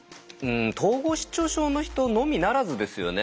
統合失調症の人のみならずですよね。